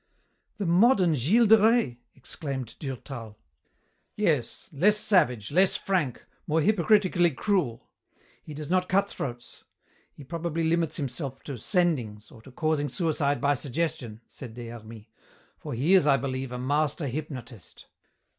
"The modern Gilles de Rais!" exclaimed Durtal. "Yes, less savage, less frank, more hypocritically cruel. He does not cut throats. He probably limits himself to 'sendings' or to causing suicide by suggestion," said Des Hermies, "for he is, I believe, a master hypnotist."